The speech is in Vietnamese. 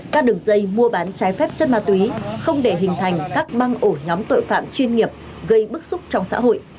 các đường dây mua bán trái phép chất ma túy không để hình thành các băng ổ nhóm tội phạm chuyên nghiệp gây bức xúc trong xã hội